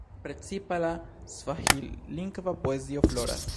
Precipa la svahil-lingva poezio floras.